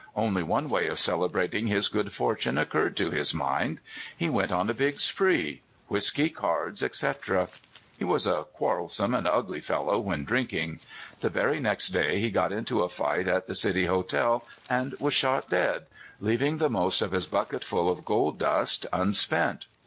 But one way of celebrating his good fortune occurred to his mind. He went on a big spree — whisky, cards, etc. He was a quarrelsome and ugly fellow when drinking. The very next day he got into a fight at the City Hotel, and was shot dead, leaving the most of his bucket ful of gold dust unspent.